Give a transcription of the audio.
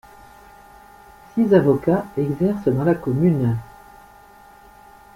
Six avocats exercent dans la commune.